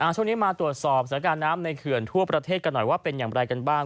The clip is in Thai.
ช่วงนี้มาตรวจสอบสถานการณ์น้ำในเขื่อนทั่วประเทศกันหน่อยว่าเป็นอย่างไรกันบ้าง